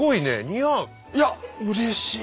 いやうれしい！